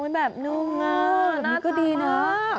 โอ้ยแบบนุ่งอะนี่ก็ดีนะ